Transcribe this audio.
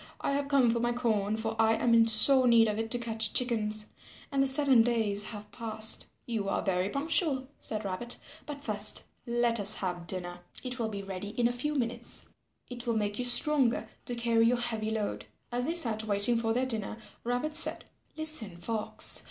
I have come for my corn, for I am in sore need of it to catch chickens, and the seven days have passed." "You are very punctual," said Rabbit, "but first let us have dinner. It will be ready in a few minutes. It will make you stronger to carry your heavy load." As they sat waiting for their dinner, Rabbit said, "Listen, Fox.